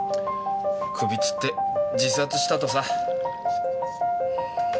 首吊って自殺したとさ。